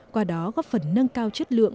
qua đó góp phần nâng cao chất lượng